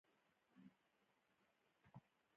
پرېده مړې د عقل نه کار واخله عقل نه.